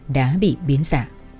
đã bị biến giả